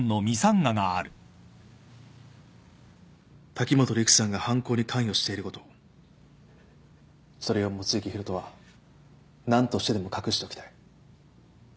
滝本陸さんが犯行に関与していることそれを望月博人は何としてでも隠しておきたい。